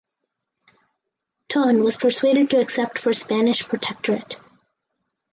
Ton was persuaded to accept for Spanish protectorate.